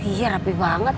iya rapi banget